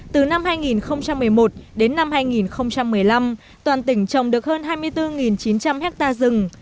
từ năm hai nghìn một mươi một đến năm hai nghìn một mươi năm toàn tỉnh trồng được hơn hai mươi bốn chín trăm linh ha rừng